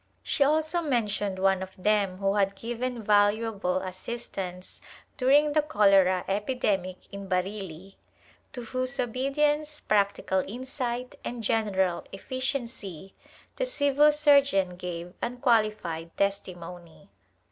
She also mentioned one of them who had given valuable assistance during the cholera epidemic in Bareilly, to whose obedience, practical in sight and general efficiency the civil surgeon gave unqualified testimony.